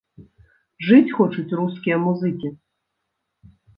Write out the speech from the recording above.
Жыць хочуць рускія музыкі!